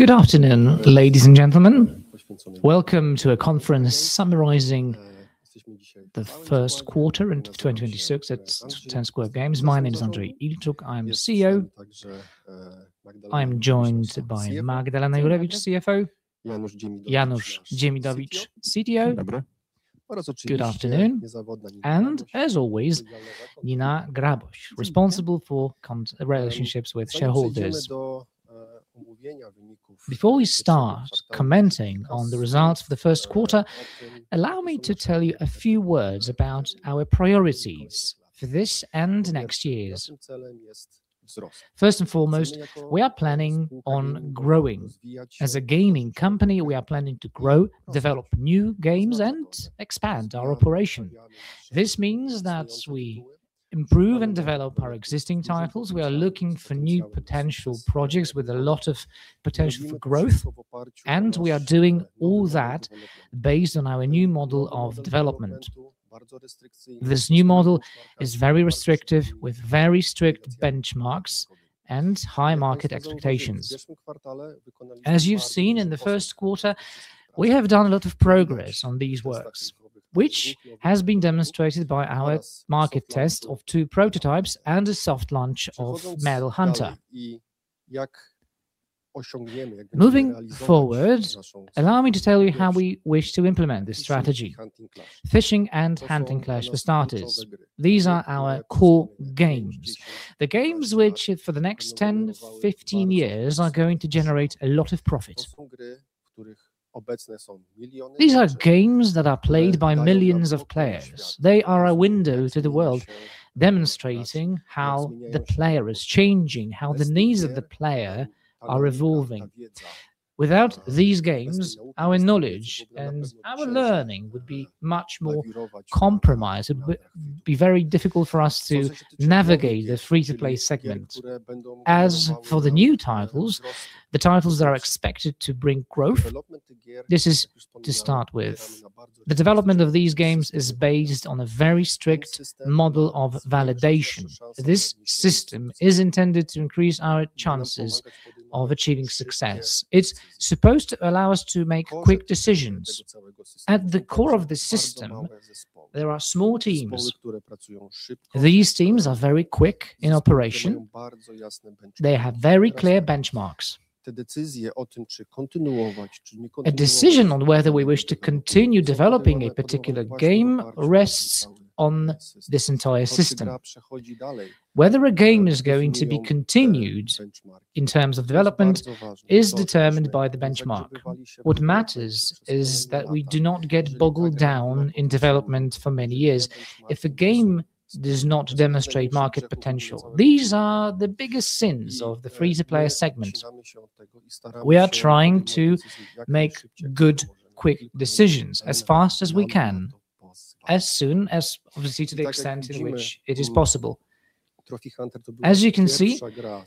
Good afternoon, ladies and gentlemen. Welcome to a conference summarizing the first quarter into 2026 at Ten Square Games. My name is Andrzej Ilczuk, I'm the CEO. I'm joined by Magdalena Jurewicz, CFO. Janusz Dziemidowicz, CTO. Good afternoon. As always, Nina Graboś, responsible for relationships with shareholders. Before we start commenting on the results for the first quarter, allow me to tell you a few words about our priorities for this and next years. First and foremost, we are planning on growing. As a gaming company, we are planning to grow, develop new games, and expand our operation. This means that we improve and develop our existing titles. We are looking for new potential projects with a lot of potential for growth, and we are doing all that based on our new model of development. This new model is very restrictive, with very strict benchmarks, and high market expectations. As you've seen in the first quarter, we have done a lot of progress on these works, which has been demonstrated by our market test of two prototypes and a soft launch of Medal Hunter. Moving forward, allow me to tell you how we wish to implement this strategy. Fishing Clash and Hunting Clash, for starters, these are our core games. The games which, for the next 10, 15 years are going to generate a lot of profit. These are games that are played by millions of players. They are a window to the world, demonstrating how the player is changing, how the needs of the player are evolving. Without these games, our knowledge and our learning would be much more compromised. It would be very difficult for us to navigate the free-to-play segment. As for the new titles, the titles that are expected to bring growth, this is to start with. The development of these games is based on a very strict model of validation. This system is intended to increase our chances of achieving success. It's supposed to allow us to make quick decisions. At the core of this system, there are small teams. These teams are very quick in operation. They have very clear benchmarks. A decision on whether we wish to continue developing a particular game rests on this entire system. Whether a game is going to be continued in terms of development is determined by the benchmark. What matters is that we do not get bogged down in development for many years if a game does not demonstrate market potential. These are the biggest sins of the free-to-play segment. We are trying to make good, quick decisions as fast as we can, as soon as, obviously, to the extent in which it is possible. As you can see,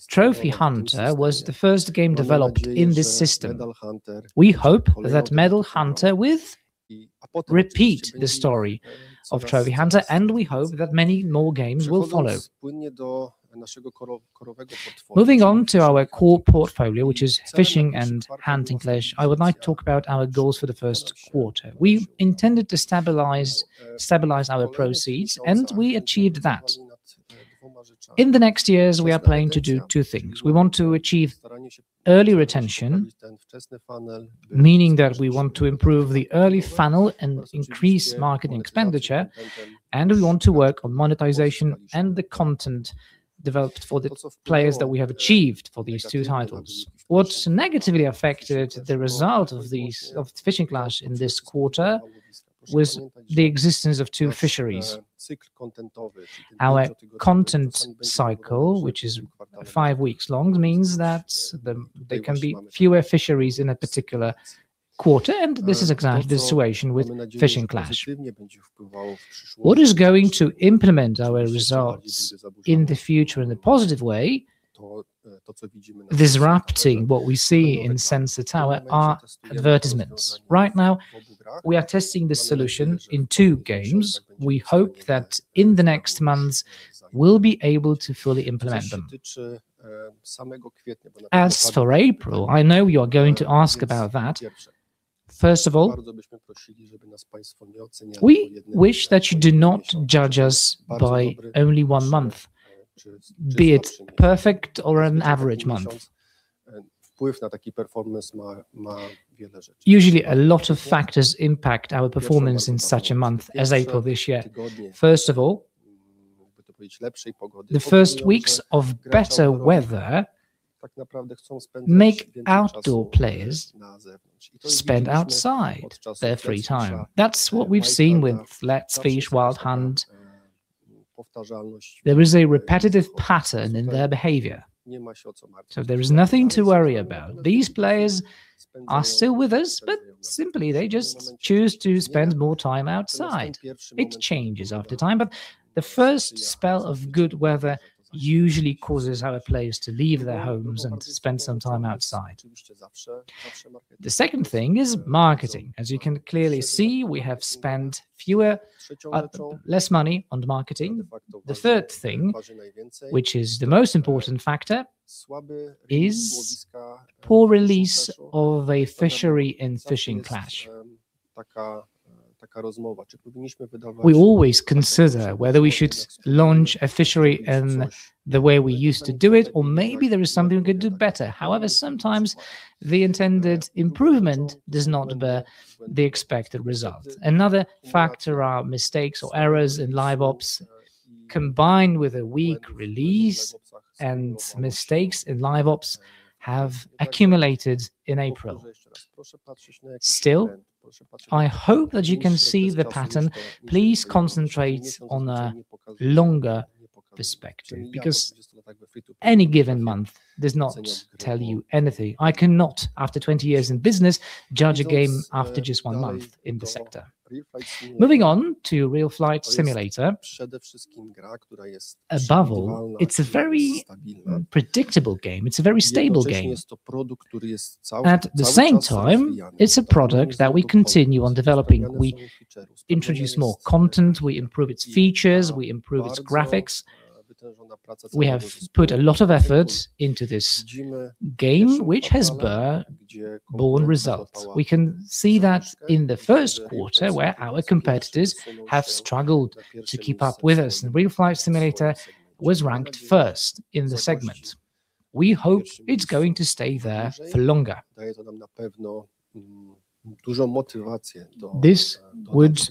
Trophy Hunter was the first game developed in this system. We hope that Medal Hunter will repeat the story of Trophy Hunter, and we hope that many more games will follow. Moving on to our core portfolio, which is Fishing Clash and Hunting Clash, I would like to talk about our goals for the first quarter. We've intended to stabilize our proceeds, and we achieved that. In the next years, we are planning to do two things. We want to achieve early retention, meaning that we want to improve the early funnel and increase marketing expenditure, and we want to work on monetization and the content developed for the players that we have achieved for these two titles. What's negatively affected the result of these, of the Fishing Clash in this quarter was the existence of two fisheries. Our content cycle, which is five weeks long, means that there can be fewer fisheries in a particular quarter, and this is exactly the situation with Fishing Clash. What is going to implement our results in the future in a positive way, disrupting what we see in Sensor Tower are advertisements. Right now, we are testing this solution in two games. We hope that in the next months, we'll be able to fully implement them. As for April, I know you're going to ask about that. First of all, we wish that you do not judge us by only one month, be it perfect or an average month. Usually, a lot of factors impact our performance in such a month as April this year. The first weeks of better weather make outdoor players spend outside their free time. That's what we've seen with Let's Fish, Wild Hunt. There is a repetitive pattern in their behavior, there is nothing to worry about. These players are still with us, simply, they just choose to spend more time outside. It changes after time, the first spell of good weather usually causes our players to leave their homes and spend some time outside. The second thing is marketing. As you can clearly see, we have spent less money on marketing. The third thing, which is the most important factor, is poor release of a fishery in Fishing Clash. We always consider whether we should launch a fishery in the way we used to do it, or maybe there is something we could do better. However, sometimes the intended improvement does not bear the expected result. Another factor are mistakes or errors in LiveOps combined with a weak release, and mistakes in LiveOps have accumulated in April. Still, I hope that you can see the pattern. Please concentrate on a longer perspective, because any given month does not tell you anything. I cannot, after 20 years in business, judge a game after just one month in the sector. Moving on to Real Flight Simulator, above all, it's a very predictable game. It's a very stable game. At the same time, it's a product that we continue on developing. We introduce more content, we improve its features, we improve its graphics. We have put a lot of efforts into this game, which has borne results. We can see that in the first quarter where our competitors have struggled to keep up with us, and Real Flight Simulator was ranked first in the segment. We hope it's going to stay there for longer. This would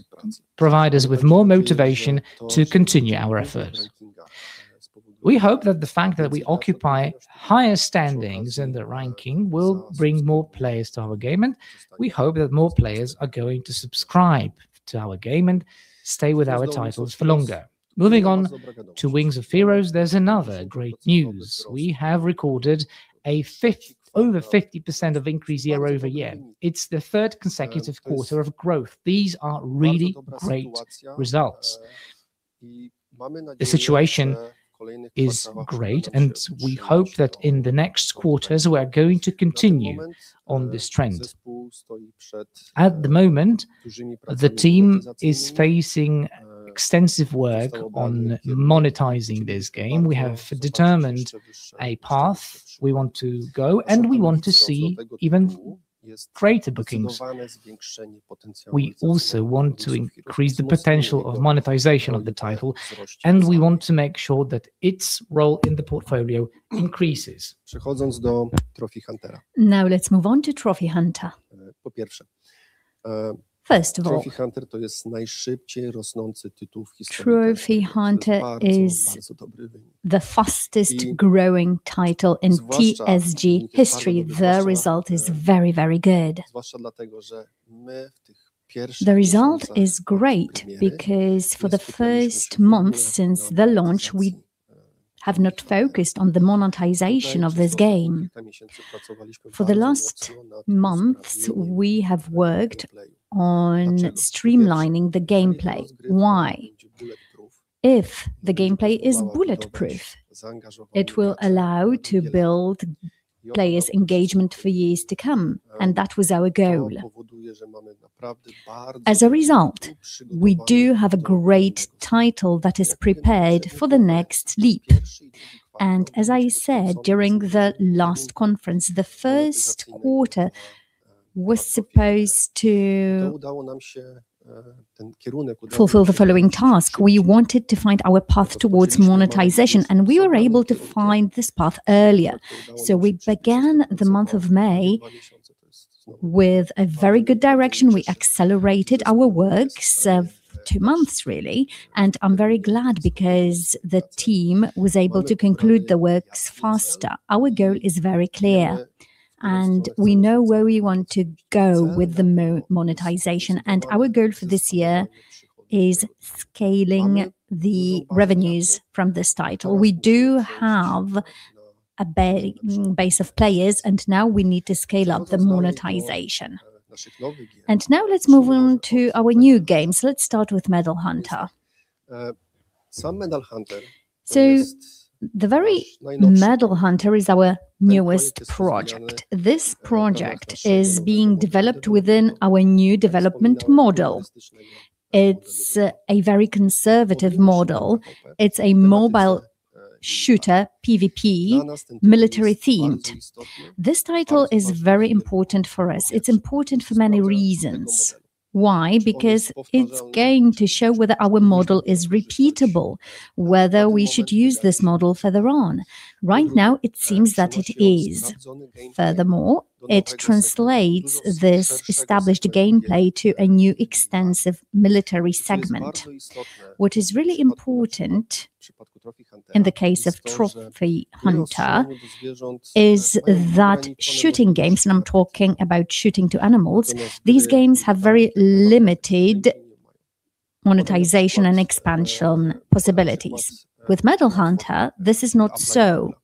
provide us with more motivation to continue our efforts. We hope that the fact that we occupy higher standings in the ranking will bring more players to our game, and we hope that more players are going to subscribe to our game and stay with our titles for longer. Moving on to Wings of Heroes, there's another great news. We have recorded over 50% of increase year-over-year. It's the third consecutive quarter of growth. These are really great results. The situation is great, and we hope that in the next quarters, we're going to continue on this trend. At the moment, the team is facing extensive work on monetizing this game. We have determined a path we want to go, and we want to see even greater bookings. We also want to increase the potential of monetization of the title, and we want to make sure that its role in the portfolio increases. Now, let's move on to Trophy Hunter. First of all, Trophy Hunter is the fastest-growing title in TSG history. The result is very, very good. The result is great because for the first month since the launch, we have not focused on the monetization of this game. For the last months, we have worked on streamlining the gameplay. Why? If the gameplay is bulletproof, it will allow to build players' engagement for years to come, and that was our goal. As a result, we do have a great title that is prepared for the next leap. As I said during the last conference, the first quarter was supposed to fulfill the following task. We wanted to find our path towards monetization, and we were able to find this path earlier. We began the month of May with a very good direction. We accelerated our works of two months, really, and I'm very glad because the team was able to conclude the works faster. Our goal is very clear, and we know where we want to go with the monetization, and our goal for this year is scaling the revenues from this title. We do have a base of players, now we need to scale up the monetization. Now let's move on to our new games. Let's start with Medal Hunter. The very Medal Hunter is our newest project. This project is being developed within our new development model. It's a very conservative model. It's a mobile shooter, PVP, military-themed. This title is very important for us. It's important for many reasons. Why? Because it's going to show whether our model is repeatable, whether we should use this model further on. Right now, it seems that it is. Furthermore, it translates this established gameplay to a new extensive military segment. What is really important in the case of Trophy Hunter is that shooting games, and I'm talking about shooting to animals, these games have very limited monetization and expansion possibilities. With Medal Hunter, this is not so.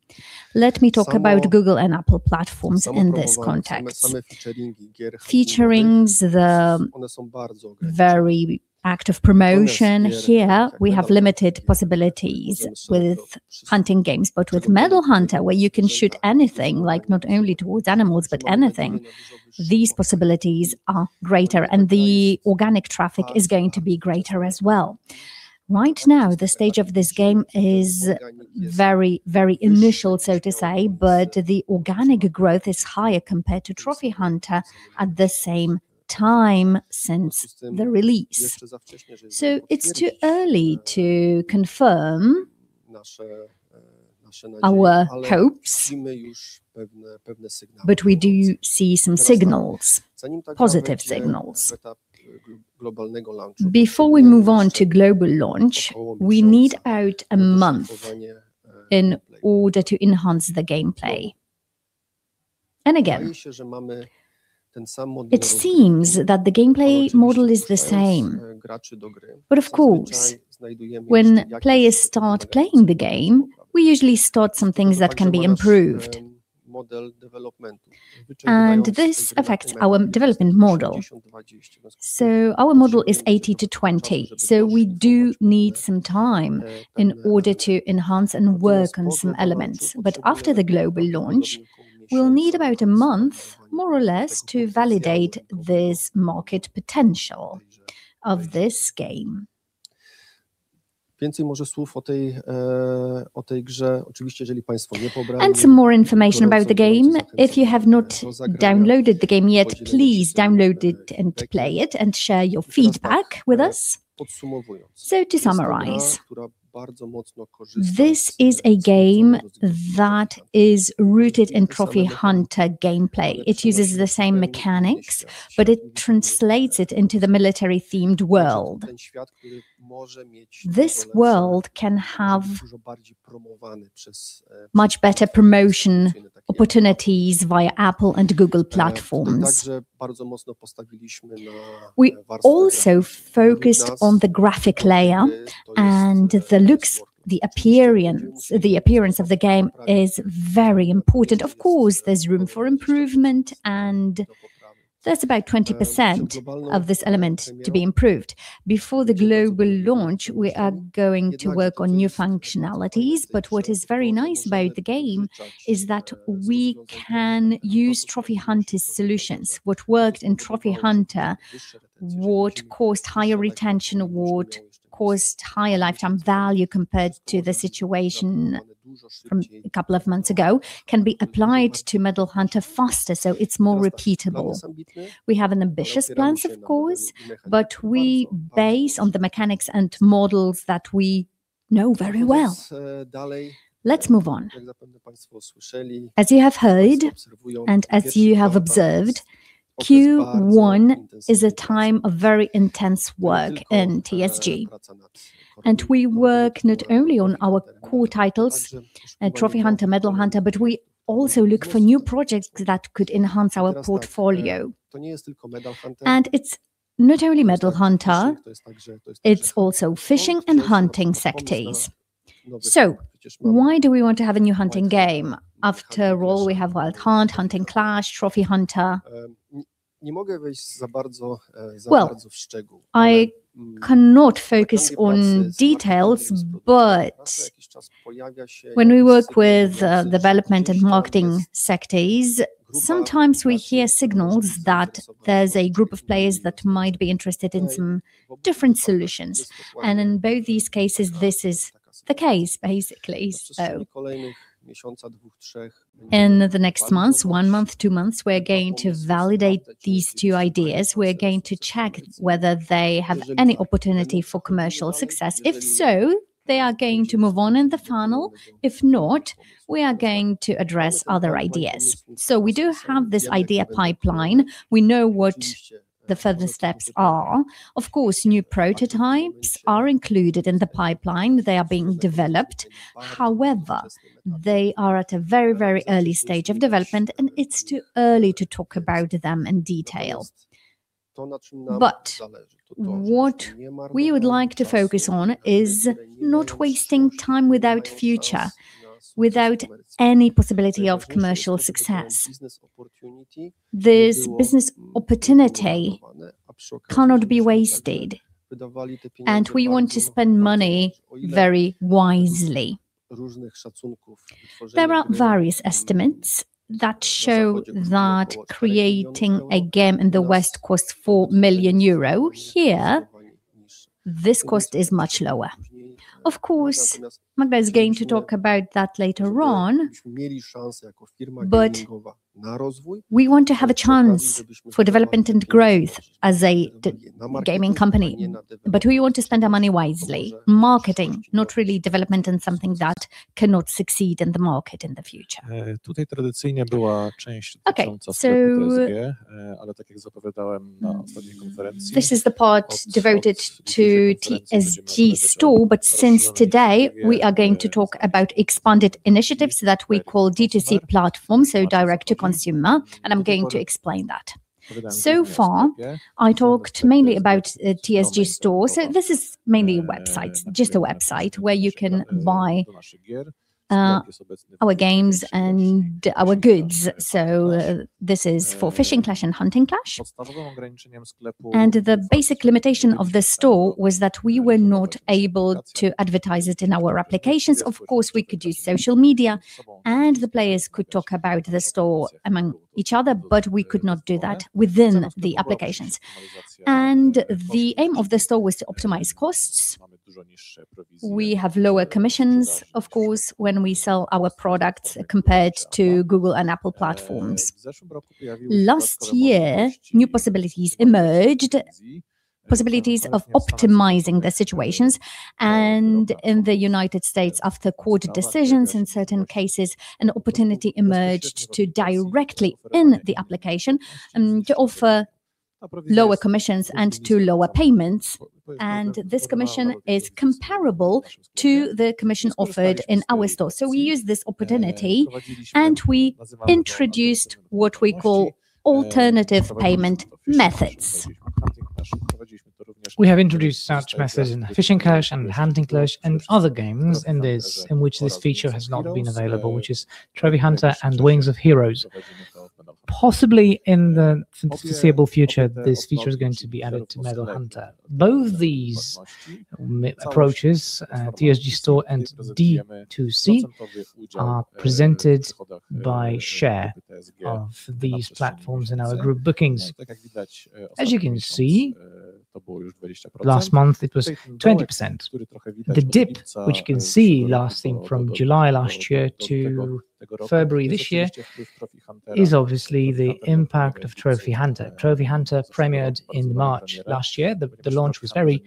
Let me talk about Google and Apple platforms in this context. Featuring the very act of promotion, here we have limited possibilities with hunting games. With Medal Hunter, where you can shoot anything, like not only towards animals, but anything, these possibilities are greater, and the organic traffic is going to be greater as well. The stage of this game is very, very initial, so to say, but the organic growth is higher compared to Trophy Hunter at the same time since the release. It's too early to confirm our hopes, but we do see some signals, positive signals. Before we move on to global launch, we need about a month in order to enhance the gameplay. Again, it seems that the gameplay model is the same. Of course, when players start playing the game, we usually start some things that can be improved, and this affects our development model. Our model is 80 to 20, we do need some time in order to enhance and work on some elements. After the global launch, we'll need about a month, more or less, to validate this market potential of this game. Some more information about the game. If you have not downloaded the game yet, please download it and play it and share your feedback with us. To summarize, this is a game that is rooted in Trophy Hunter gameplay. It uses the same mechanics, but it translates it into the military-themed world. This world can have much better promotion opportunities via Apple and Google platforms. We also focused on the graphic layer and the looks, the appearance of the game is very important. Of course, there's room for improvement, that's about 20% of this element to be improved. Before the global launch, we are going to work on new functionalities, what is very nice about the game is that we can use Trophy Hunter's solutions. What worked in Trophy Hunter, what caused higher retention, what caused higher lifetime value compared to the situation from a couple of months ago, can be applied to Medal Hunter faster, so it's more repeatable. We have an ambitious plan, of course, but we base on the mechanics and models that we know very well. Let's move on. As you have heard, as you have observed, Q1 is a time of very intense work in TSG. We work not only on our core titles, Trophy Hunter, Medal Hunter, but we also look for new projects that could enhance our portfolio. It's not only Medal Hunter, it's also fishing and hunting sectors. Why do we want to have a new hunting game? After all, we have Wild Hunt, Hunting Clash, Trophy Hunter. I cannot focus on details, but when we work with development and marketing sectors, sometimes we hear signals that there's a group of players that might be interested in some different solutions, and in both these cases, this is the case, basically. In the next months, one month, two months, we're going to validate these two ideas. We're going to check whether they have any opportunity for commercial success. If so, they are going to move on in the funnel. If not, we are going to address other ideas. We do have this idea pipeline. We know what the further steps are. Of course, new prototypes are included in the pipeline. They are being developed. However, they are at a very, very early stage of development, and it's too early to talk about them in detail. What we would like to focus on is not wasting time without future, without any possibility of commercial success. This business opportunity cannot be wasted, and we want to spend money very wisely. There are various estimates that show that creating a game in the West costs 4 million euro. Here, this cost is much lower. Of course, Magda is going to talk about that later on. We want to have a chance for development and growth as a gaming company, but we want to spend our money wisely, marketing, not really development and something that cannot succeed in the market in the future. This is the part devoted to TSG Store. Since today, we are going to talk about expanded initiatives that we call D2C platform, so direct to consumer, and I'm going to explain that. So far, I talked mainly about TSG Store, so this is mainly websites, just a website where you can buy our games and our goods. This is for Fishing Clash and Hunting Clash. The basic limitation of the store was that we were not able to advertise it in our applications. Of course, we could use social media, and the players could talk about the store among each other, but we could not do that within the applications. The aim of the store was to optimize costs. We have lower commissions, of course, when we sell our products compared to Google and Apple platforms. Last year, new possibilities emerged Possibilities of optimizing the situations. In the U.S., after court decisions in certain cases, an opportunity emerged to directly, in the application, to offer lower commissions and to lower payments, and this commission is comparable to the commission offered in our TSG Store. We used this opportunity, and we introduced what we call alternative payment methods. We have introduced such methods in Fishing Clash and Hunting Clash and other games, and there's, in which this feature has not been available, which is Trophy Hunter and Wings of Heroes. Possibly in the foreseeable future, this feature is going to be added to Medal Hunter. Both these approaches, TSG Store and D2C, are presented by share of these platforms in our group bookings. As you can see, last month it was 20%. The dip, which you can see, lasting from July last year to February this year, is obviously the impact of Trophy Hunter. The launch was very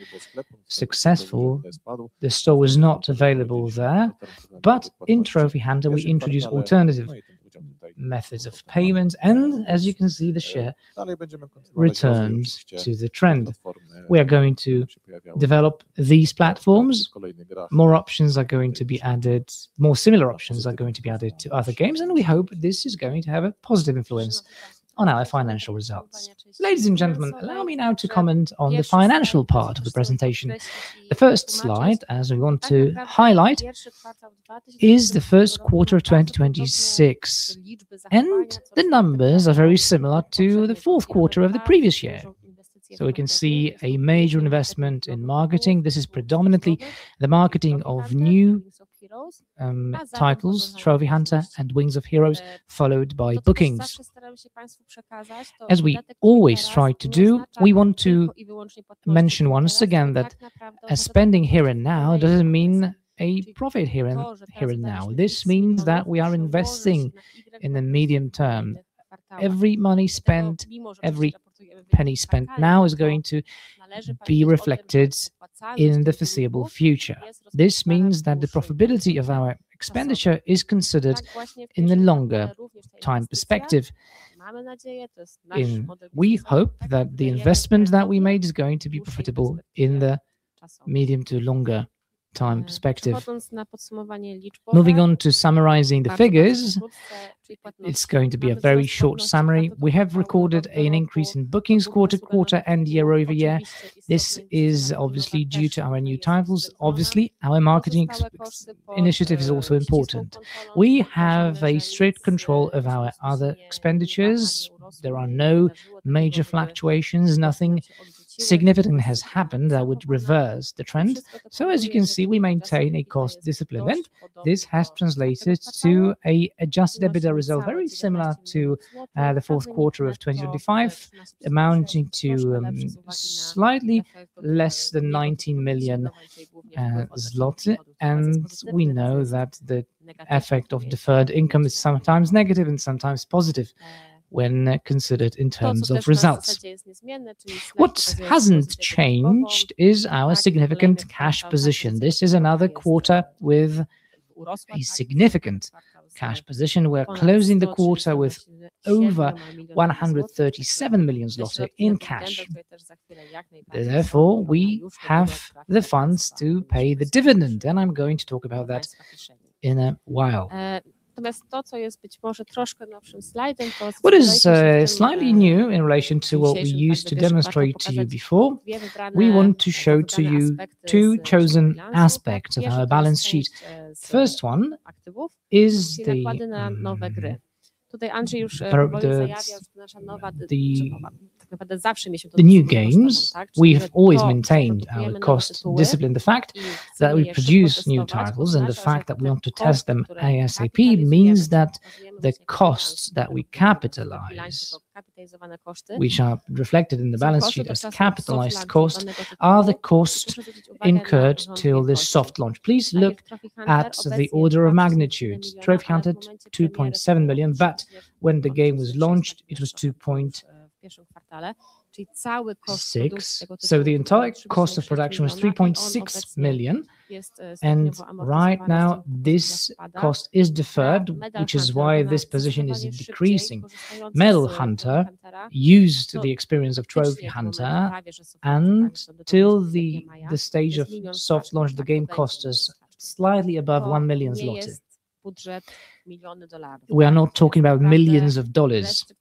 successful. The store was not available there. In Trophy Hunter, we introduced alternative methods of payment. As you can see, the share returns to the trend. We are going to develop these platforms. More options are going to be added. More similar options are going to be added to other games. We hope this is going to have a positive influence on our financial results. Ladies and gentlemen, allow me now to comment on the financial part of the presentation. The first slide, as we want to highlight, is the first quarter of 2026. The numbers are very similar to the fourth quarter of the previous year. We can see a major investment in marketing. This is predominantly the marketing of new titles, Trophy Hunter and Wings of Heroes, followed by bookings. As we always try to do, we want to mention once again that a spending here and now doesn't mean a profit here and now. This means that we are investing in the medium term. Every money spent, every penny spent now is going to be reflected in the foreseeable future. This means that the profitability of our expenditure is considered in the longer time perspective. We hope that the investment that we made is going to be profitable in the medium to longer time perspective. Moving on to summarizing the figures, it's going to be a very short summary. We have recorded an increase in bookings quarter-to-quarter and year-over-year. This is obviously due to our new titles. Our marketing initiative is also important. We have a strict control of our other expenditures. There are no major fluctuations. Nothing significant has happened that would reverse the trend. As you can see, we maintain a cost discipline, and this has translated to a adjusted EBITDA result very similar to the fourth quarter of 2025, amounting to slightly less than 19 million zloty. We know that the effect of deferred income is sometimes negative and sometimes positive when considered in terms of results. What hasn't changed is our significant cash position. This is another quarter with a significant cash position. We're closing the quarter with over 137 million zloty in cash. Therefore, we have the funds to pay the dividend, and I'm going to talk about that in a while. What is slightly new in relation to what we used to demonstrate to you before, we want to show to you two chosen aspects of our balance sheet. First one is the new games. We've always maintained our cost discipline. The fact that we produce new titles and the fact that we want to test them ASAP means that the costs that we capitalize, which are reflected in the balance sheet as capitalized costs, are the costs incurred till this soft launch. Please look at the order of magnitude. Trophy Hunter, 2.7 million, when the game was launched, it was 2.6. The entire cost of production was 3.6 million, right now this cost is deferred, which is why this position is decreasing. Medal Hunter used the experience of Trophy Hunter, till the stage of soft launch, the game cost us slightly above 1 million zloty. We are not talking about millions of USD.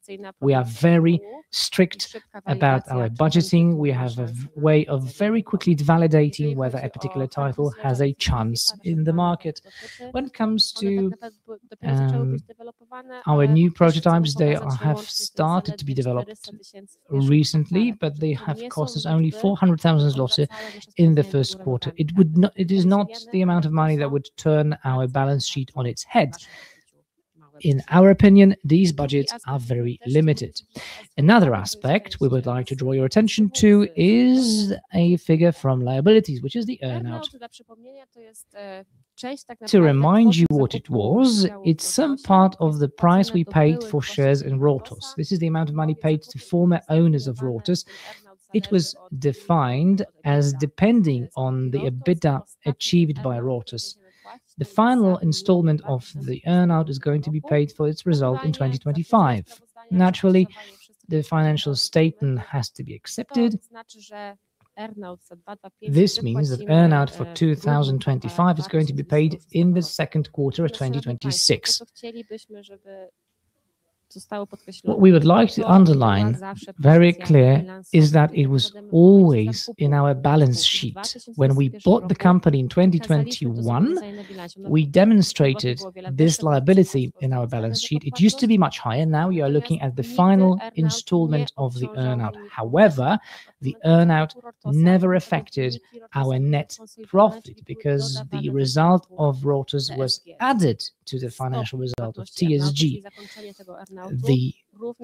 We are very strict about our budgeting. We have a way of very quickly validating whether a particular title has a chance in the market. When it comes to our new prototypes, they have started to be developed recently, they have cost us only 400,000 zloty in the first quarter. It is not the amount of money that would turn our balance sheet on its head. In our opinion, these budgets are very limited. Another aspect we would like to draw your attention to is a figure from liabilities, which is the earn-out. To remind you what it was, it's some part of the price we paid for shares in Rortos. This is the amount of money paid to former owners of Rortos. It was defined as depending on the EBITDA achieved by Rortos. The final installment of the earn-out is going to be paid for its result in 2025. Naturally, the financial statement has to be accepted. This means that earn-out for 2025 is going to be paid in the second quarter of 2026. What we would like to underline very clear is that it was always in our balance sheet. When we bought the company in 2021, we demonstrated this liability in our balance sheet. It used to be much higher. Now you are looking at the final installment of the earn-out. The earn-out never affected our net profit because the result of Rortos was added to the financial result of TSG. The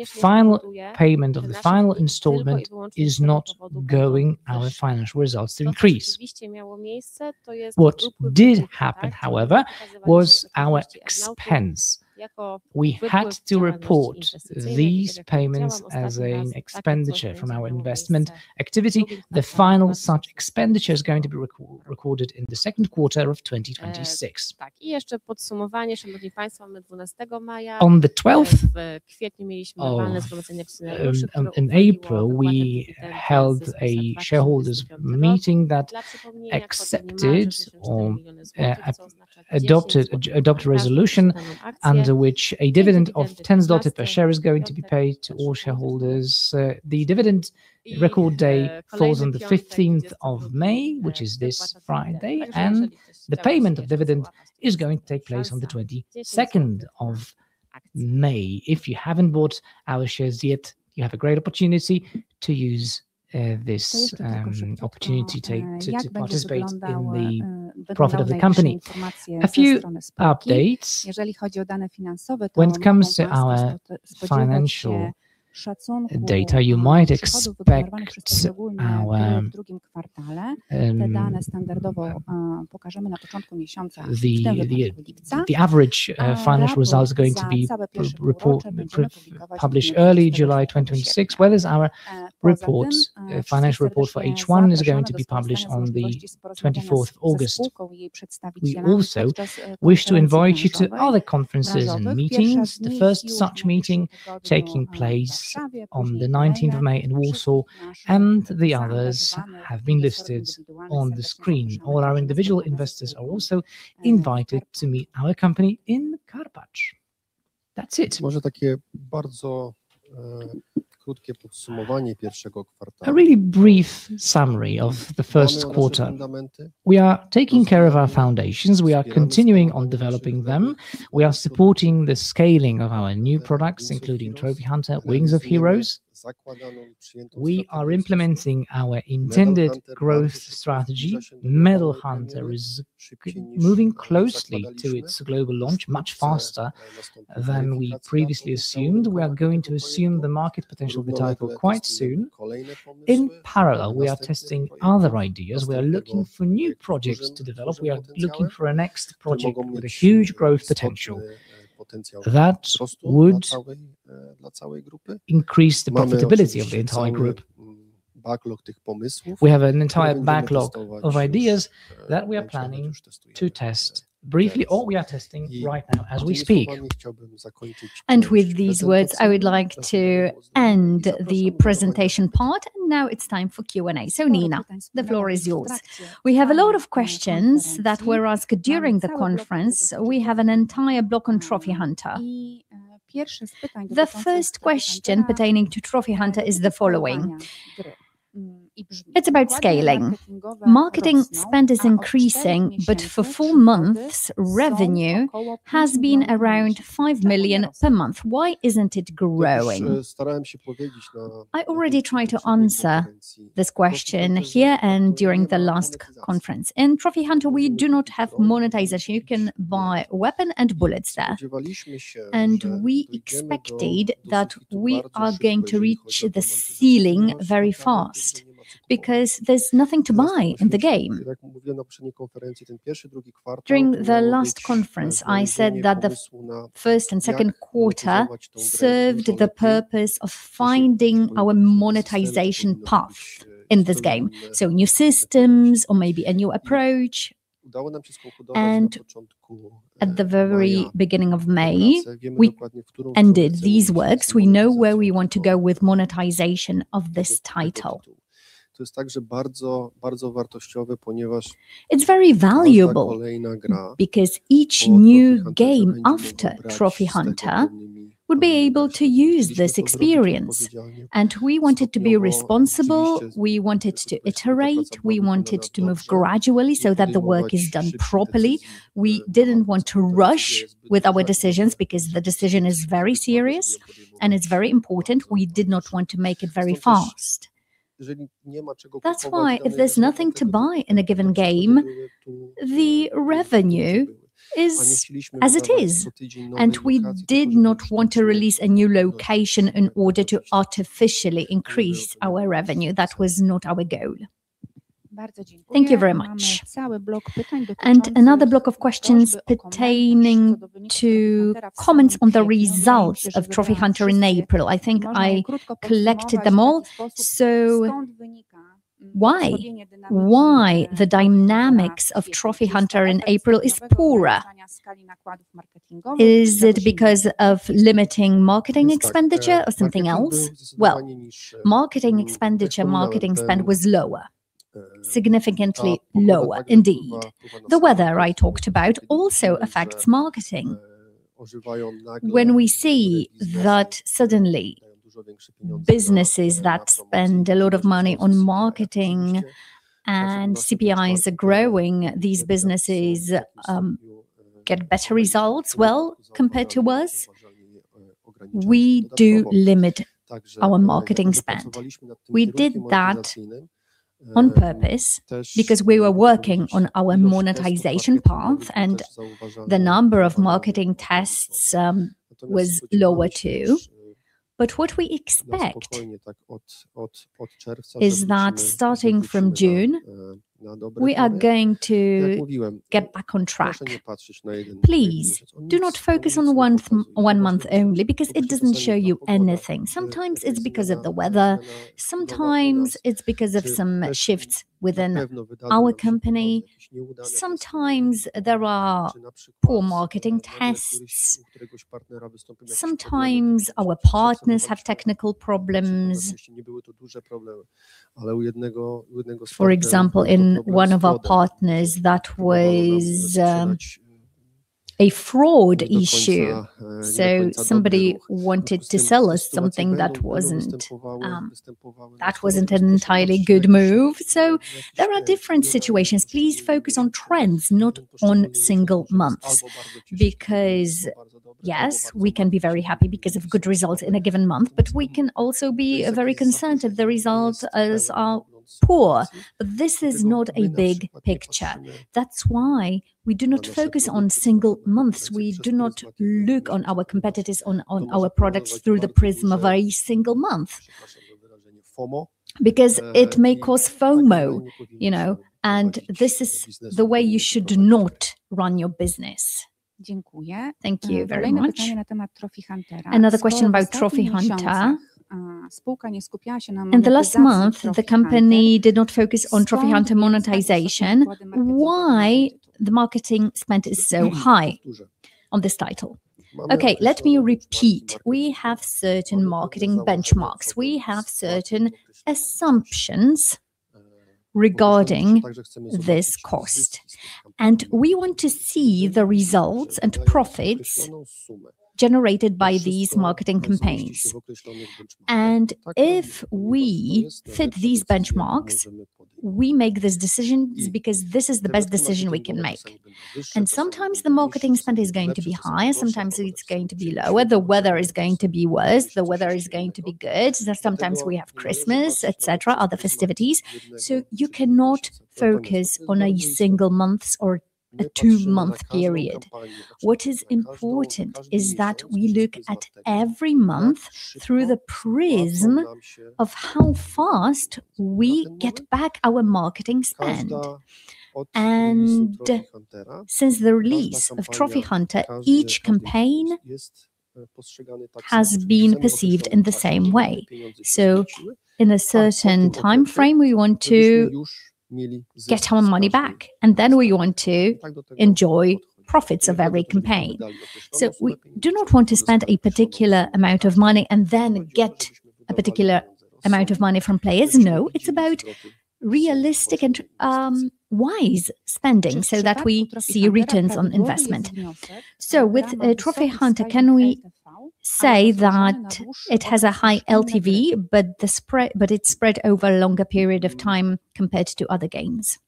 final payment of the final installment is not going our financial results to increase. What did happen, however, was our expense. We had to report these payments as an expenditure from our investment activity. The final such expenditure is going to be recorded in the second quarter of 2026. On the 12th of April, we held a shareholders meeting that accepted or adopted a resolution under which a dividend of $0.10 per share is going to be paid to all shareholders. The dividend record day falls on the 15th of May, which is this Friday, and the payment of dividend is going to take place on the 22nd of May. If you haven't bought our shares yet, you have a great opportunity to use this opportunity to participate in the profit of the company. A few updates. When it comes to our financial data, you might expect our the average financial results are going to be report, published early July 2026, whereas our reports, financial report for H1 is going to be published on the 24th of August. We also wish to invite you to other conferences and meetings. The first such meeting taking place on the 19th of May in Warsaw, and the others have been listed on the screen. All our individual investors are also invited to meet our company in Karpacz. That's it. A really brief summary of the first quarter. We are taking care of our foundations. We are continuing on developing them. We are supporting the scaling of our new products, including Trophy Hunter, Wings of Heroes. We are implementing our intended growth strategy. Medal Hunter is moving closely to its global launch much faster than we previously assumed. We are going to assume the market potential of the title quite soon. In parallel, we are testing other ideas. We are looking for new projects to develop. We are looking for a next project with a huge growth potential that would increase the profitability of the entire group. We have an entire backlog of ideas that we are planning to test briefly, or we are testing right now as we speak. With these words, I would like to end the presentation part. It's time for Q&A. Nina Graboś, the floor is yours. We have a lot of questions that were asked during the conference. We have an entire block on Trophy Hunter. The first question pertaining to Trophy Hunter is the following. It's about scaling. Marketing spend is increasing, but for four months, revenue has been around 5 million per month. Why isn't it growing? I already tried to answer this question here and during the last conference. In Trophy Hunter, we do not have monetization. You can buy weapon and bullets there, and we expected that we are going to reach the ceiling very fast because there's nothing to buy in the game. During the last conference, I said that the first and second quarter served the purpose of finding our monetization path in this game, so new systems or maybe a new approach. At the very beginning of May, we ended these works. We know where we want to go with monetization of this title. It's very valuable because each new game after Trophy Hunter would be able to use this experience. We wanted to be responsible. We wanted to iterate. We wanted to move gradually so that the work is done properly. We didn't want to rush with our decisions because the decision is very serious, and it's very important. We did not want to make it very fast. That's why if there's nothing to buy in a given game, the revenue is as it is. We did not want to release a new location in order to artificially increase our revenue. That was not our goal. Thank you very much. Another block of questions pertaining to comments on the result of Trophy Hunter in April. I think I collected them all. Why the dynamics of Trophy Hunter in April is poorer? Is it because of limiting marketing expenditure or something else? Well, marketing expenditure, marketing spend was lower, significantly lower indeed. The weather I talked about also affects marketing. When we see that suddenly businesses that spend a lot of money on marketing and CPIs are growing, these businesses get better results, well, compared to us. We do limit our marketing spend. We did that on purpose because we were working on our monetization path and the number of marketing tests was lower too. What we expect is that starting from June, we are going to get back on track. Please do not focus on the one month only because it doesn't show you anything. Sometimes it's because of the weather, sometimes it's because of some shifts within our company. Sometimes there are poor marketing tests. Sometimes our partners have technical problems. For example, in one of our partners, that was a fraud issue. Somebody wanted to sell us something that wasn't, that wasn't an entirely good move. There are different situations. Please focus on trends, not on single months. Yes, we can be very happy because of good results in a given month, but we can also be very concerned if the results are poor. This is not a big picture. That's why we do not focus on single months. We do not look on our competitors on our products through the prism of a single month because it may cause FOMO, you know. This is the way you should not run your business. Thank you very much. Another question about Trophy Hunter. In the last month, the company did not focus on Trophy Hunter monetization. Why the marketing spend is so high on this title? Okay, let me repeat. We have certain marketing benchmarks. We have certain assumptions regarding this cost. We want to see the results and profits generated by these marketing campaigns. If we fit these benchmarks, we make this decision because this is the best decision we can make. Sometimes the marketing spend is going to be higher, sometimes it's going to be lower. The weather is going to be worse. The weather is going to be good. Sometimes we have Christmas, et cetera, other festivities. You cannot focus on a single month's or a two month period. What is important is that we look at every month through the prism of how fast we get back our marketing spend. Since the release of Trophy Hunter, each campaign has been perceived in the same way. In a certain timeframe, we want to get our money back, and then we want to enjoy profits of every campaign. We do not want to spend a particular amount of money and then get a particular amount of money from players. No, it's about realistic and wise spending so that we see returns on investment. With Trophy Hunter, can we say that it has a high LTV, but it's spread over a longer period of time compared to other games?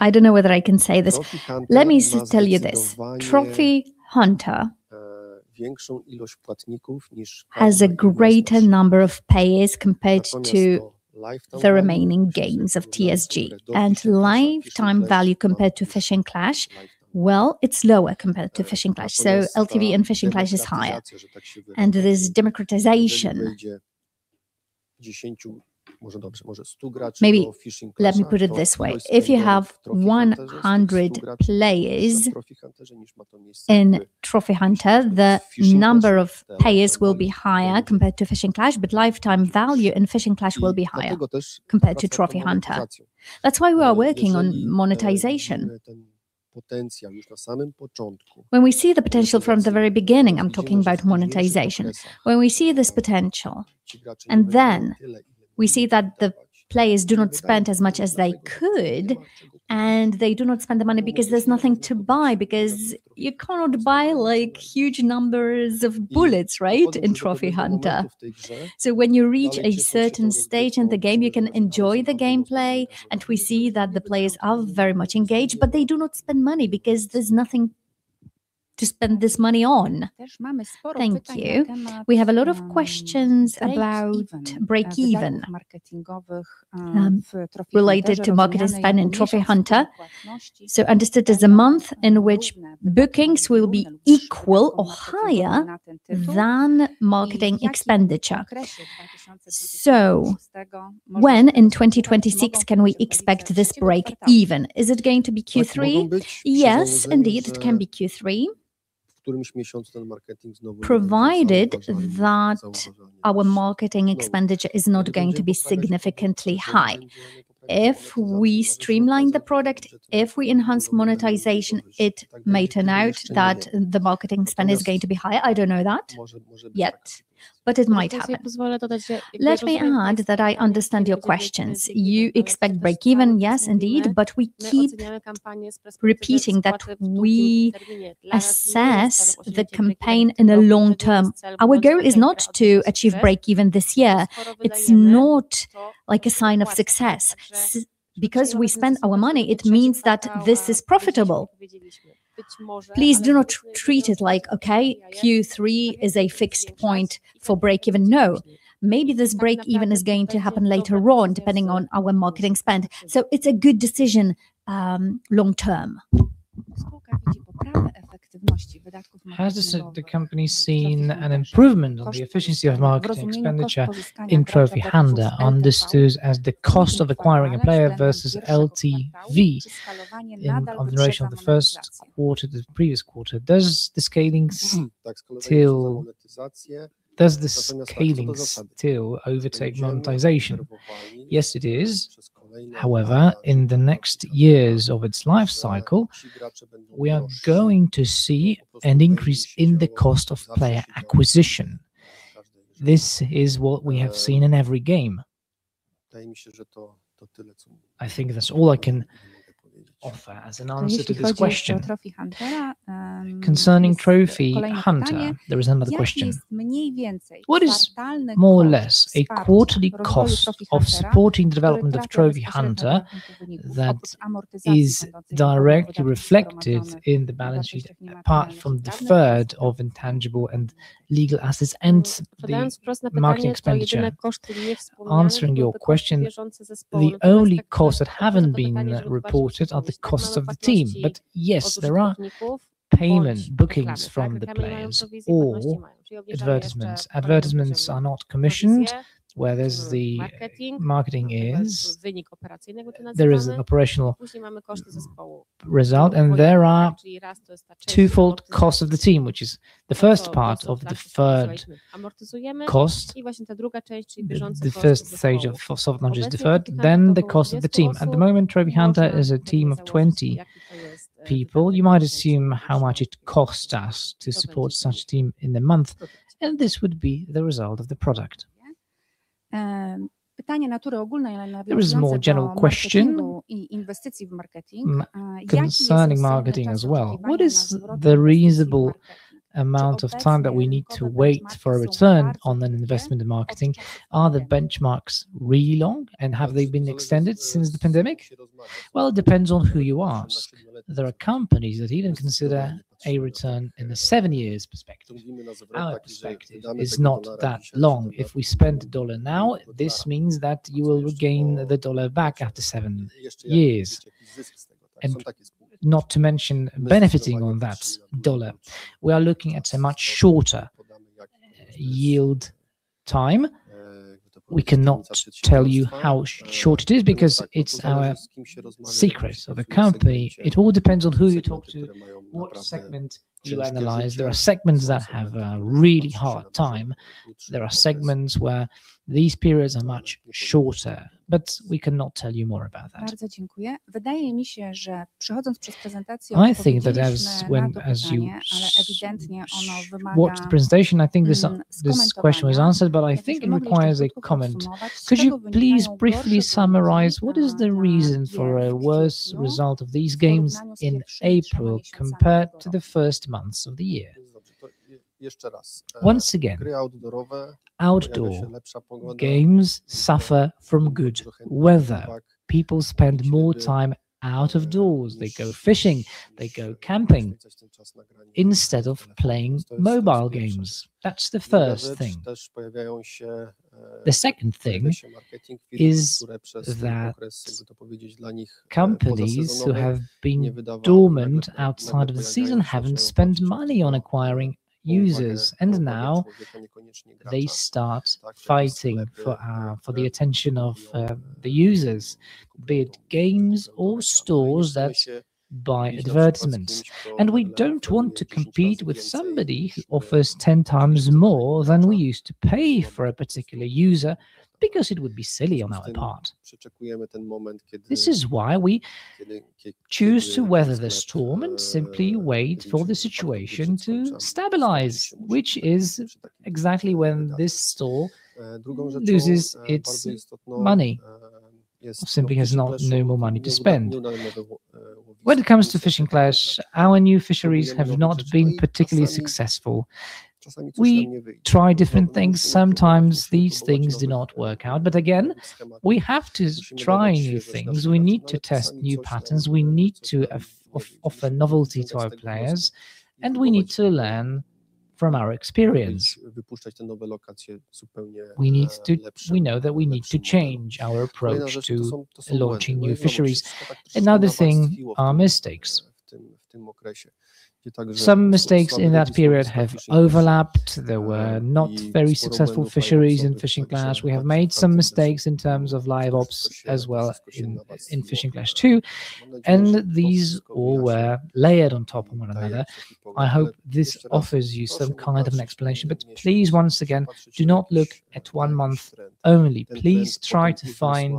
I don't know whether I can say this. Let me just tell you this. Trophy Hunter has a greater number of payers compared to the remaining games of TSG, and lifetime value compared to Fishing Clash, well, it's lower compared to Fishing Clash. LTV in Fishing Clash is higher, and there's democratization. Maybe let me put it this way. If you have 100 players in Trophy Hunter, the number of payers will be higher compared to Fishing Clash, lifetime value in Fishing Clash will be higher compared to Trophy Hunter. That's why we are working on monetization. When we see the potential from the very beginning, I'm talking about monetization. When we see this potential, we see that the players do not spend as much as they could, and they do not spend the money because there's nothing to buy, because you cannot buy, like, huge numbers of bullets, right, in Trophy Hunter. When you reach a certain stage in the game, you can enjoy the gameplay, and we see that the players are very much engaged, but they do not spend money because there's nothing to spend this money on. Thank you. We have a lot of questions about break-even related to marketing spend in Trophy Hunter. Understood as a month in which bookings will be equal or higher than marketing expenditure. When in 2026 can we expect this break-even? Is it going to be Q3? Yes, indeed, it can be Q3, provided that our marketing expenditure is not going to be significantly high. If we streamline the product, if we enhance monetization, it may turn out that the marketing spend is going to be higher. I don't know that yet, but it might happen. Let me add that I understand your questions. You expect break-even, yes, indeed, but we keep repeating that we assess the campaign in the long term. Our goal is not to achieve break-even this year. It's not like a sign of success. Because we spent our money, it means that this is profitable. Please do not treat it like, okay, Q3 is a fixed point for break-even. No. Maybe this break-even is going to happen later on, depending on our marketing spend. It's a good decision, long term. Has the company seen an improvement on the efficiency of marketing expenditure in Trophy Hunter, understood as the cost of acquiring a player versus LTV in observation of the first quarter, the previous quarter? Does the scaling still overtake monetization? Yes, it is. In the next years of its life cycle, we are going to see an increase in the cost of player acquisition. This is what we have seen in every game. I think that's all I can offer as an answer to this question. Concerning Trophy Hunter, there is another question. What is more or less a quarterly cost of supporting the development of Trophy Hunter that is directly reflected in the balance sheet, apart from deferred of intangible and legal assets and the marketing expenditure? Answering your question, the only costs that haven't been reported are the costs of the team. Yes, there are payment bookings from the players or advertisements. Advertisements are not commissioned. There is an operational result, and there are twofold cost of the team, which is the first part of deferred cost, the first stage of soft launch is deferred, then the cost of the team. At the moment, Trophy Hunter is a team of 20 people. You might assume how much it costs us to support such team in the month, and this would be the result of the product. There is a more general question concerning marketing as well. What is the reasonable amount of time that we need to wait for a return on an investment in marketing? Are the benchmarks really long, and have they been extended since the pandemic? It depends on who you ask. There are companies that even consider a return in the seven years perspective. Our perspective is not that long. If we spend a dollar now, this means that you will regain the dollar back after seven years, and not to mention benefiting on that dollar. We are looking at a much shorter yield time. We cannot tell you how short it is, because it's our secret of the company. It all depends on who you talk to, what segment you analyze. There are segments that have a really hard time. There are segments where these periods are much shorter, we cannot tell you more about that. I think that as you watched the presentation, I think this question was answered, but I think it requires a comment. Could you please briefly summarize what is the reason for a worse result of these games in April compared to the first months of the year? Once again, outdoor games suffer from good weather. People spend more time out of doors. They go fishing. They go camping instead of playing mobile games. That's the first thing. The second thing is that companies who have been dormant outside of the season haven't spent money on acquiring users. Now they start fighting for the attention of the users, be it games or stores that buy advertisements. We don't want to compete with somebody who offers 10 times more than we used to pay for a particular user, because it would be silly on our part. This is why we choose to weather the storm and simply wait for the situation to stabilize, which is exactly when this store loses its money or simply has no more money to spend. When it comes to Fishing Clash, our new fisheries have not been particularly successful. We try different things. Again, we have to try new things. We need to offer novelty to our players. We need to learn from our experience. We know that we need to change our approach to launching new fisheries. Another thing are mistakes. Some mistakes in that period have overlapped. There were not very successful fisheries in Fishing Clash. We have made some mistakes in terms of LiveOps as well in Fishing Clash 2. These all were layered on top of one another. I hope this offers you some kind of an explanation. Please, once again, do not look at one month only. Please try to find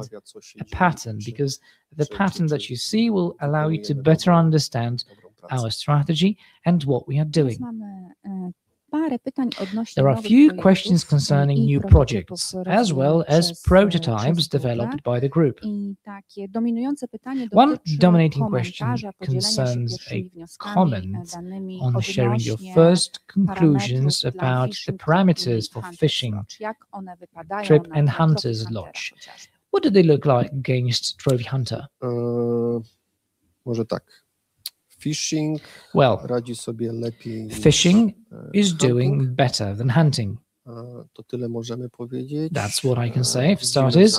a pattern, because the pattern that you see will allow you to better understand our strategy and what we are doing. There are a few questions concerning new projects, as well as prototypes developed by the group. One dominating question concerns a comment on sharing your first conclusions about the parameters for Fishing Trip and Hunter's Lodge. What do they look like against Trophy Hunter? Well, fishing is doing better than hunting. That's what I can say for starters.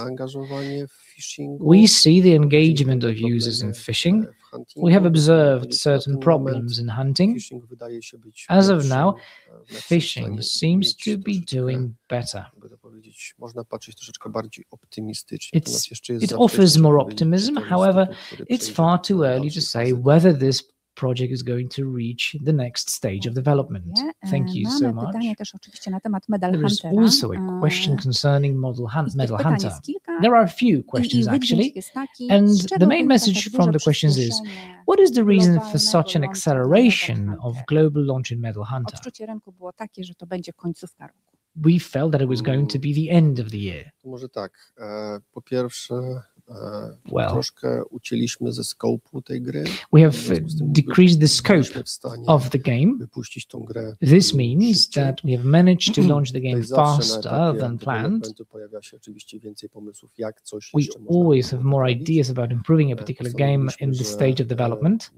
We see the engagement of users in fishing. We have observed certain problems in hunting. As of now, fishing seems to be doing better. It offers more optimism. It's far too early to say whether this project is going to reach the next stage of development. Thank you so much. There is also a question concerning Medal Hunter. There are a few questions actually, and the main message from the questions is, what is the reason for such an acceleration of global launch in Medal Hunter? We felt that it was going to be the end of the year. Well, we have decreased the scope of the game. This means that we have managed to launch the game faster than planned. We always have more ideas about improving a particular game in this stage of development.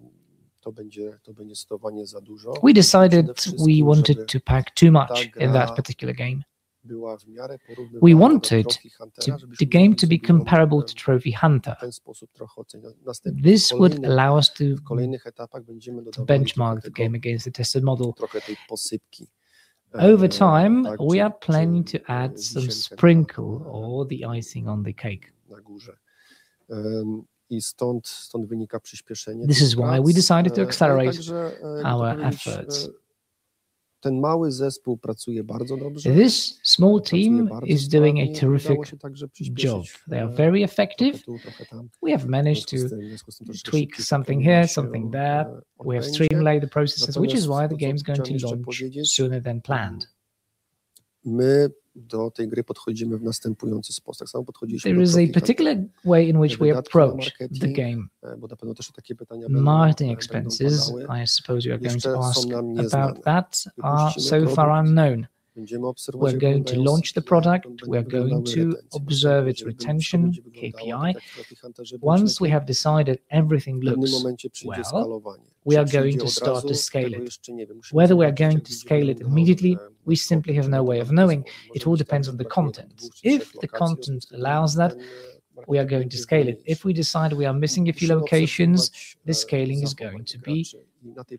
We decided we wanted to pack too much in that particular game. We wanted the game to be comparable to Trophy Hunter. This would allow us to benchmark the game against the tested model. Over time, we are planning to add some sprinkle or the icing on the cake. This is why we decided to accelerate our efforts. This small team is doing a terrific job. They are very effective. We have managed to tweak something here, something there. We have streamlined the processes, which is why the game's going to launch sooner than planned. There is a particular way in which we approach the game. Marketing expenses, I suppose you are going to ask about that, are so far unknown. We're going to launch the product. We're going to observe its retention KPI. Once we have decided everything looks well, we are going to start to scale it. Whether we are going to scale it immediately, we simply have no way of knowing. It all depends on the content. If the content allows that, we are going to scale it. If we decide we are missing a few locations, the scaling is going to be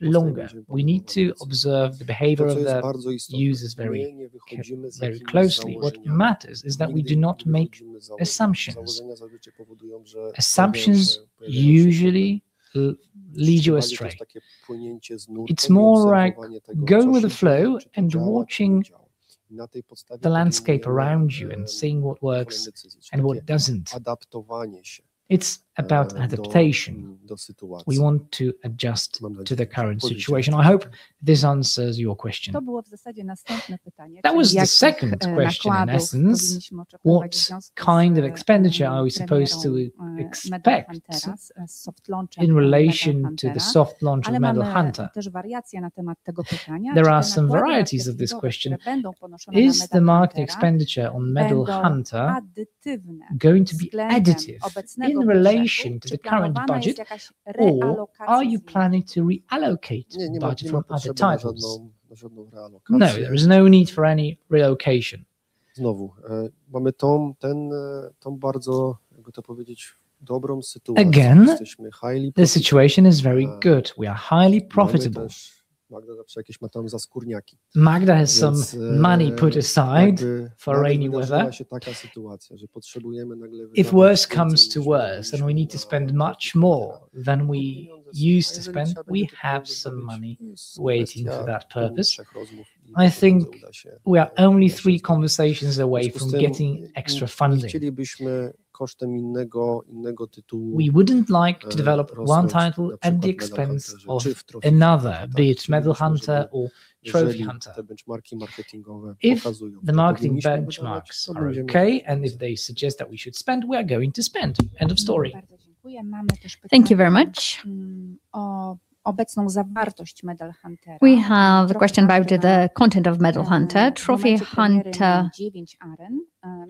longer. We need to observe the behavior of the users very closely. What matters is that we do not make assumptions. Assumptions usually lead you astray. It's more like going with the flow and watching the landscape around you and seeing what works and what doesn't. It's about adaptation. We want to adjust to the current situation. I hope this answers your question. That was the second question, in essence. What kind of expenditure are we supposed to expect in relation to the soft launch of Medal Hunter? There are some varieties of this question. Is the marketing expenditure on Medal Hunter going to be additive in relation to the current budget, or are you planning to reallocate budget from other titles? There is no need for any reallocation. The situation is very good. We are highly profitable. Magda has some money put aside for rainy weather. If worse comes to worse, and we need to spend much more than we used to spend, we have some money waiting for that purpose. I think we are only three conversations away from getting extra funding. We wouldn't like to develop one title at the expense of another, be it Medal Hunter or Trophy Hunter. If the marketing benchmarks are okay, and if they suggest that we should spend, we are going to spend. End of story. Thank you very much. We have a question about the content of Medal Hunter.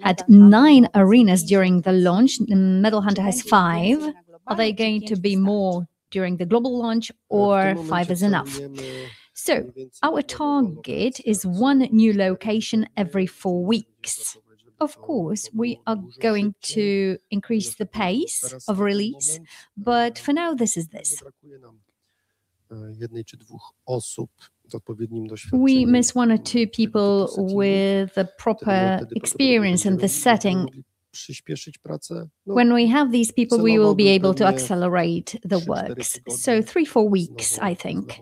At nine arenas during the launch, and Medal Hunter has five. Are they going to be more during the global launch or five is enough? Our target is one new location every four weeks. Of course, we are going to increase the pace of release, but for now, this is this. We miss one or two people with the proper experience in this setting. When we have these people, we will be able to accelerate the works. Three, four weeks, I think.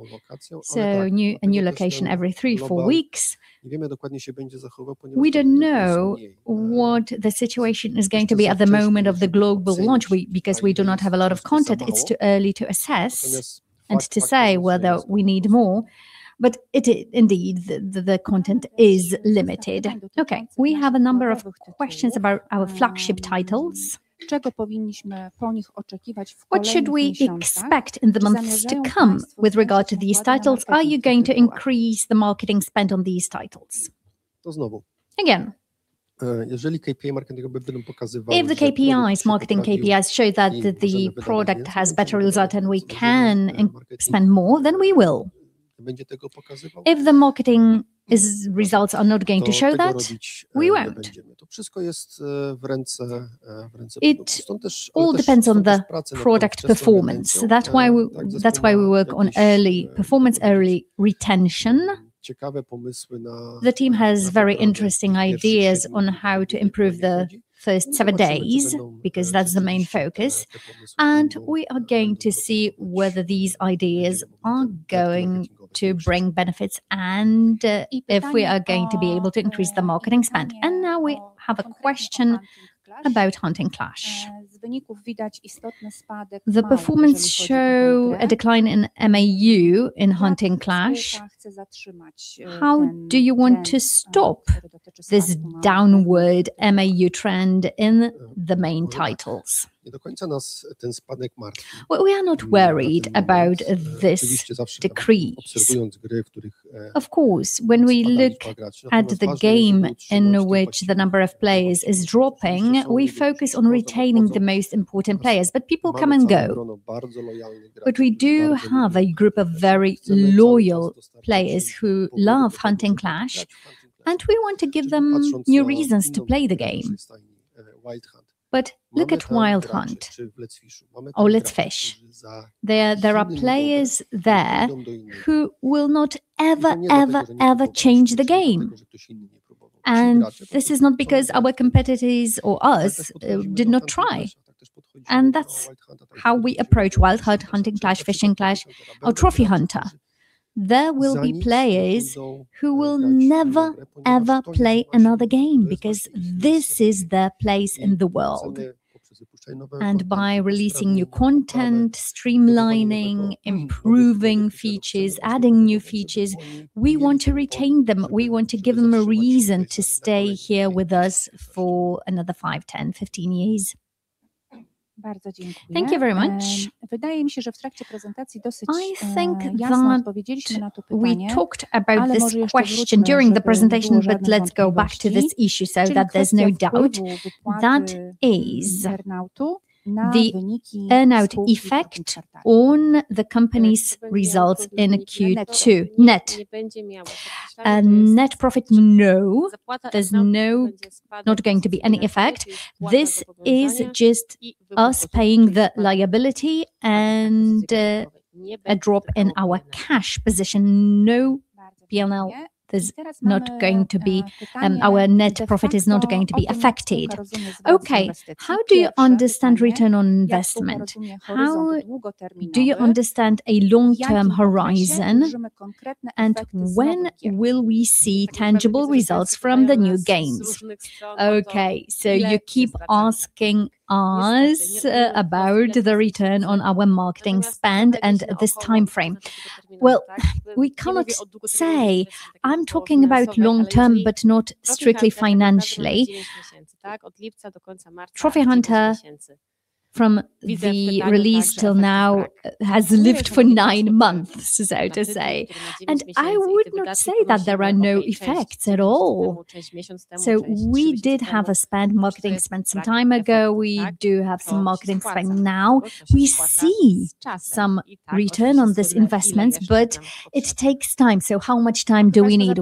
A new location every three, four weeks. We don't know what the situation is going to be at the moment of the global launch. We, because we do not have a lot of content, it's too early to assess and to say whether we need more, but it indeed, the content is limited. We have a number of questions about our flagship titles. What should we expect in the months to come with regard to these titles? Are you going to increase the marketing spend on these titles? If the KPIs, marketing KPIs show that the product has better result and we can spend more, then we will. If the marketing results are not going to show that, we won't. It all depends on the product performance. That's why we work on early, performance early retention. The team has very interesting ideas on how to improve the first seven days, because that's the main focus, and we are going to see whether these ideas are going to bring benefits and if we are going to be able to increase the marketing spend. Now we have a question about Hunting Clash. The performance shows a decline in MAU in Hunting Clash. How do you want to stop this downward MAU trend in the main titles? Well, we are not worried about this decrease. Of course, when we look at the game in which the number of players is dropping, we focus on retaining the most important players, but people come and go. We do have a group of very loyal players who love Hunting Clash, and we want to give them new reasons to play the game. Look at Wild Hunt or Let's Fish. There are players there who will not ever, ever change the game, and this is not because our competitors or us did not try, and that's how we approach Wild Hunt, Hunting Clash, Fishing Clash, or Trophy Hunter. There will be players who will never, ever play another game because this is their place in the world. By releasing new content, streamlining, improving features, adding new features, we want to retain them. We want to give them a reason to stay here with us for another five, 10, 15 years. Thank you very much. I think that we talked about this question during the presentation, let's go back to this issue so that there's no doubt. That is the earn-out effect on the company's results in Q2. Net profit, there's not going to be any effect. This is just us paying the liability and a drop in our cash position. No P&L. Our net profit is not going to be affected. Okay. How do you understand return on investment? How do you understand a long-term horizon, and when will we see tangible results from the new games? You keep asking us about the return on our marketing spend and this timeframe. We cannot say. I'm talking about long-term, but not strictly financially. Trophy Hunter from the release till now has lived for nine months, so to say, I would not say that there are no effects at all. We did have marketing spend some time ago. We do have some marketing spend now. We see some return on this investment, it takes time. How much time do we need?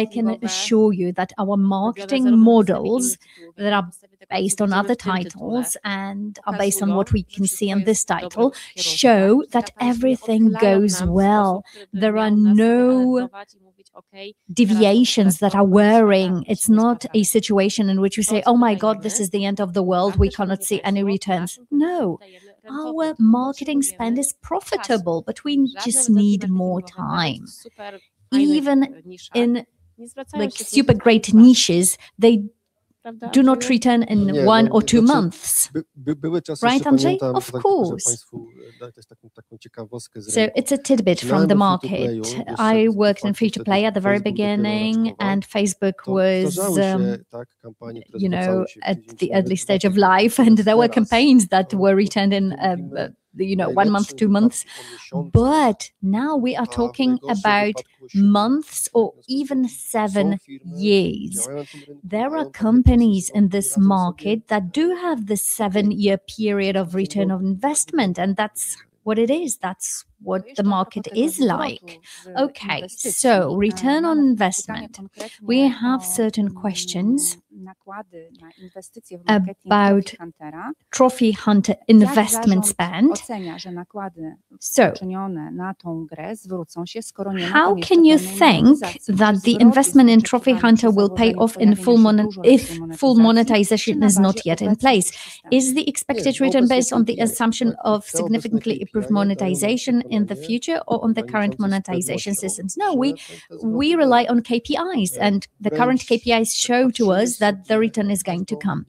I can assure you that our marketing models that are based on other titles and are based on what we can see on this title, show that everything goes well. There are no deviations that are worrying. It's not a situation in which we say, "Oh, my God, this is the end of the world. We cannot see any returns." No. Our marketing spend is profitable, but we just need more time. Even in, like, super great niches, they do not return in one or two months, right, Andrzej? Of course. It's a tidbit from the market. I worked in free-to-play at the very beginning, and Facebook was, you know, at the early stage of life, and there were campaigns that were returned in, you know, one month, two months. Now we are talking about months or even seven years. There are companies in this market that do have the seven year period of return on investment, and that's what it is. That's what the market is like. Return on investment. We have certain questions about Trophy Hunter investment spend. How can you think that the investment in Trophy Hunter will pay off in full if full monetization is not yet in place? Is the expected return based on the assumption of significantly improved monetization in the future or on the current monetization systems? No, we rely on KPIs, and the current KPIs show to us that the return is going to come.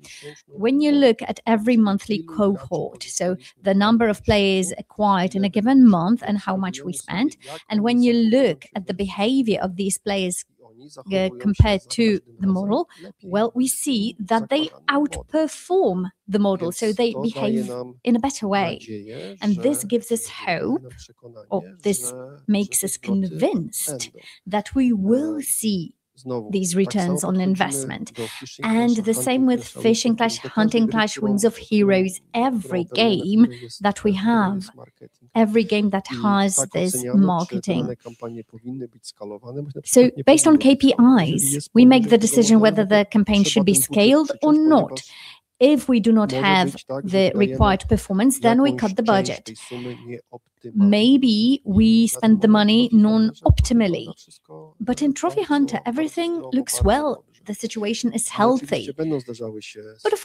Of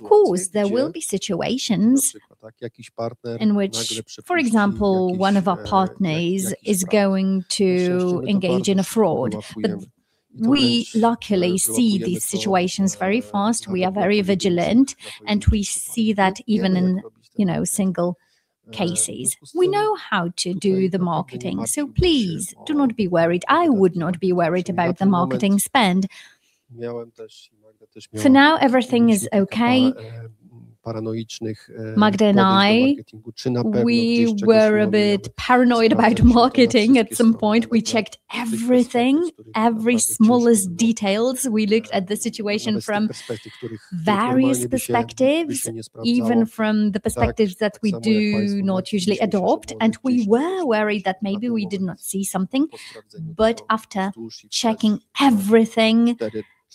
course, there will be situations in which, for example, one of our partners is going to engage in a fraud, but we luckily see these situations very fast. We are very vigilant, and we see that even in, you know, single cases. We know how to do the marketing, please do not be worried. I would not be worried about the marketing spend. For now, everything is okay. Magda and I, we were a bit paranoid about marketing at some point. We checked everything, every smallest details. We looked at the situation from various perspectives, even from the perspectives that we do not usually adopt, and we were worried that maybe we did not see something. After checking everything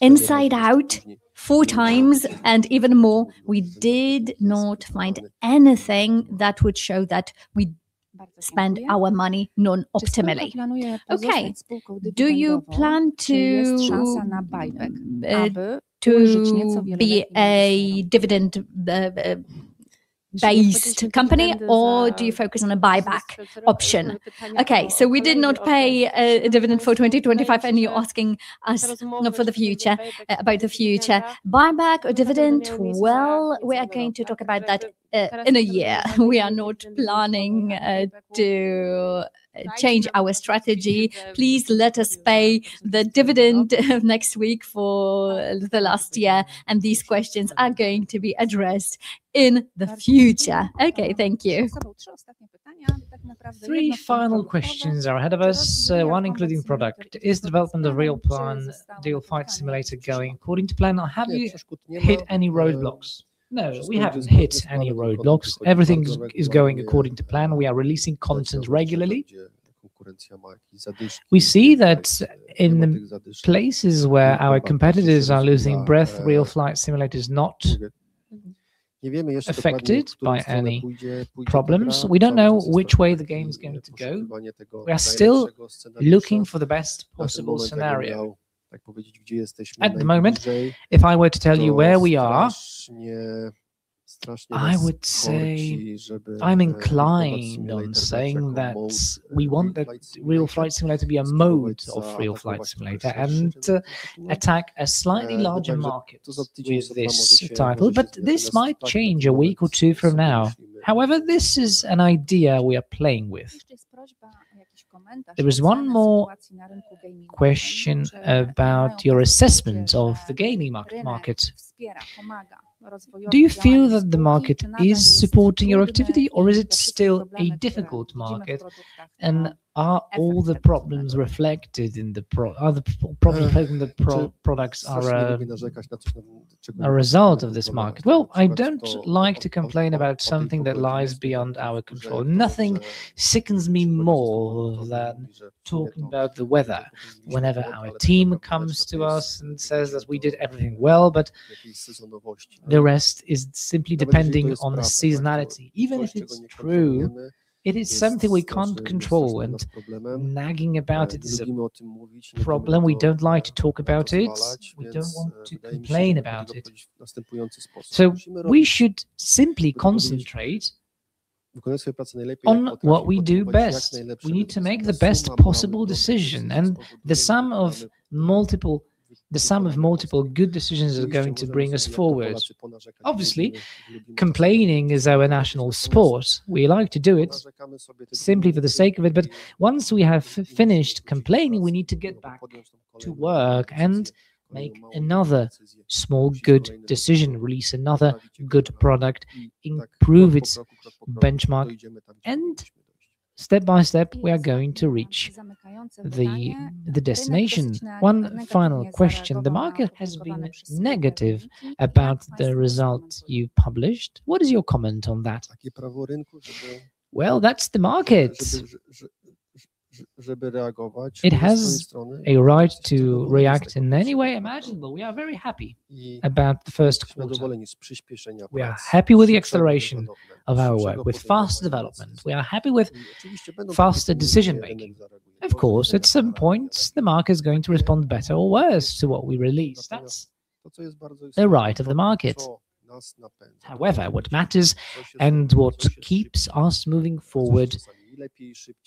inside out four times and even more, we did not find anything that would show that we spend our money non-optimally. Okay. Do you plan to be a dividend based company, or do you focus on a buyback option? Okay, we did not pay a dividend for 2025, and you're asking us for the future, about the future. Buyback or dividend? Well, we are going to talk about that in a year. We are not planning to change our strategy. Please let us pay the dividend next week for the last year, and these questions are going to be addressed in the future. Okay, thank you. Three final questions are ahead of us, one including product. Is development of Real Flight Simulator going according to plan, or have you hit any roadblocks? No, we haven't hit any roadblocks. Everything is going according to plan. We are releasing content regularly. We see that in places where our competitors are losing breath, Real Flight Simulator is not affected by any problems. We don't know which way the game's going to go. We are still looking for the best possible scenario. At the moment, if I were to tell you where we are, I would say I'm inclined on saying that we want the Real Flight Simulator to be a mode of Real Flight Simulator and attack a slightly larger market with this title, but this might change a week or two from now. This is an idea we are playing with. There is one more question about your assessment of the gaming market. Do you feel that the market is supporting your activity, or is it still a difficult market? Are the problems reflected in the products are a result of this market? Well, I don't like to complain about something that lies beyond our control. Nothing sickens me more than talking about the weather. Whenever our team comes to us and says that we did everything well, but the rest is simply depending on the seasonality. Even if it's true, it is something we can't control, and nagging about it is a problem. We don't like to talk about it. We don't want to complain about it. We should simply concentrate on what we do best. We need to make the best possible decision, the sum of multiple good decisions is going to bring us forward. Obviously, complaining is our national sport. We like to do it simply for the sake of it. Once we have finished complaining, we need to get back to work and make another small, good decision, release another good product, improve its benchmark, step by step, we are going to reach the destination. One final question. The market has been negative about the results you published. What is your comment on that? Well, that's the market. It has a right to react in any way imaginable. We are very happy about the first quarter. We are happy with the acceleration of our work, with faster development. We are happy with faster decision-making. Of course, at some points, the market is going to respond better or worse to what we release. That's the right of the market. What matters and what keeps us moving forward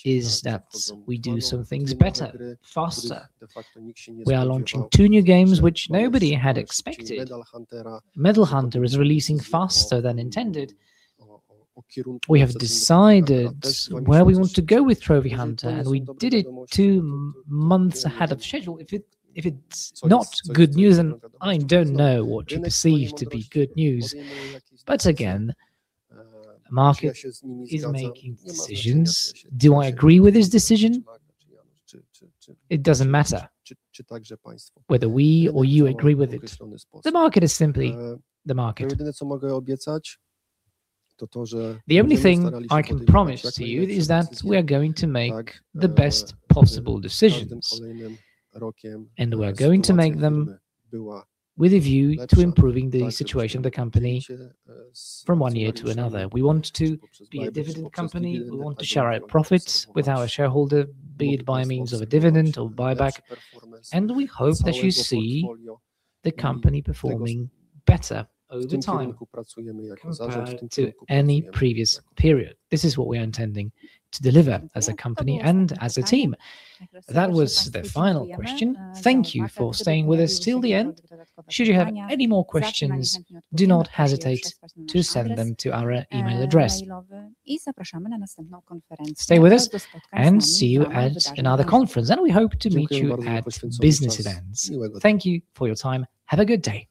is that we do some things better, faster. We are launching two new games which nobody had expected. Medal Hunter is releasing faster than intended. We have decided where we want to go with Trophy Hunter, and we did it two months ahead of schedule. If it's not good news, then I don't know what you perceive to be good news. Again, the market is making decisions. Do I agree with this decision? It doesn't matter whether we or you agree with it. The market is simply the market. The only thing I can promise to you is that we are going to make the best possible decisions, and we are going to make them with a view to improving the situation of the company from one year to another. We want to be a dividend company. We want to share our profits with our shareholder, be it by means of a dividend or buyback, and we hope that you see the company performing better over time compared to any previous period. This is what we are intending to deliver as a company and as a team. That was the final question. Thank you for staying with us till the end. Should you have any more questions, do not hesitate to send them to our email address. Stay with us, and see you at another conference, and we hope to meet you at business events. Thank you for your time. Have a good day.